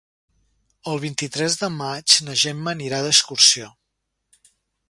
El vint-i-tres de maig na Gemma anirà d'excursió.